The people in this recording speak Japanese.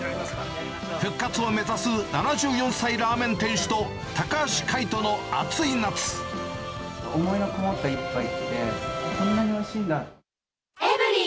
復活を目指す７４歳ラーメン店主と、想いの込もった一杯って、こんなにおいしいんだ。